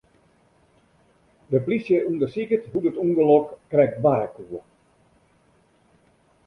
De plysje ûndersiket hoe't it ûngelok krekt barre koe.